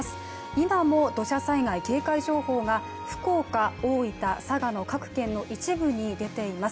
今も土砂災害警戒情報が福岡、大分、佐賀の各県の一部に出ています。